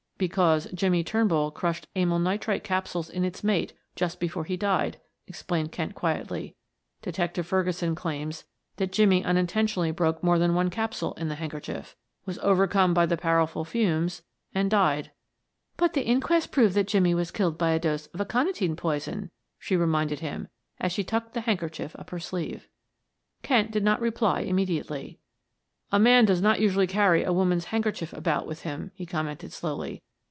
"Because Jimmie Turnbull crushed amyl nitrite capsules in its mate just before he died," explained Kent quietly. "Detective Ferguson claims that Jimmie unintentionally broke more than one capsule in the handkerchief, was overcome by the powerful fumes and died." "But the inquest proved that Jimmie was killed by a dose of aconitine poison," she reminded him, as she tucked the handkerchief up her sleeve. Kent did not reply immediately. "A man does not usually carry a woman's handkerchief about with him," he commented slowly.